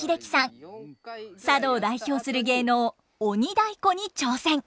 佐渡を代表する芸能「鬼太鼓」に挑戦。